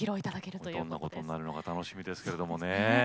どんなことになるのか楽しみですけれどもね。